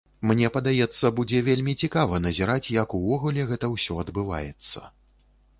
Мне падаецца, будзе вельмі цікава назіраць, як увогуле гэта ўсё адбываецца.